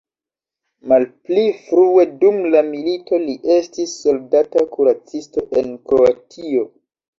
Malpli frue dum la milito li estis soldata kuracisto en Kroatio.